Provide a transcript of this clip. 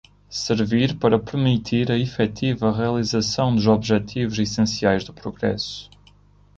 Servir para permitir a efetiva realização dos objetivos essenciais do progresso.